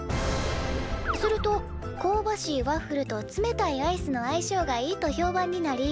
するとこうばしいワッフルと冷たいアイスの相性がいいと評判になり